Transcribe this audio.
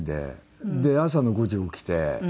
「で朝の５時に起きて」